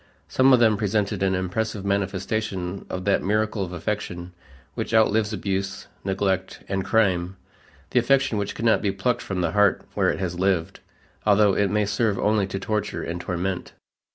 Some of them presented an impressive manifestation of that miracle of affection which outlives abuse, neglect, and crime, the affection which cannot be plucked from the heart where it has lived, although it may serve only to torture and torment.